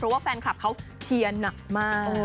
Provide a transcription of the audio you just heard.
เพราะว่าแฟนคลับเขาเชียร์หนักมาก